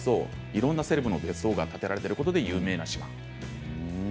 いろんなセレブの別荘が建てられていることで有名な島。